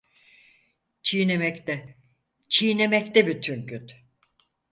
Çiğnemekte, çiğnemekte bütün gün…